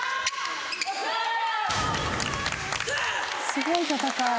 すごい戦い。